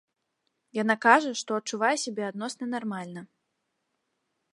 Яна кажа, што адчувае сябе адносна нармальна.